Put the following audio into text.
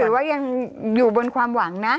หรือว่ายังอยู่บนความหวังนะ